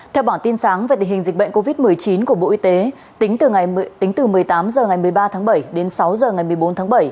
theo bản tin sáng về tình hình dịch bệnh covid một mươi chín của bộ y tế tính từ một mươi tám h ngày một mươi ba tháng bảy đến sáu h ngày một mươi bốn tháng bảy